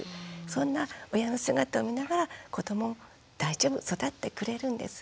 そんな親の姿を見ながら子ども大丈夫育ってくれるんです。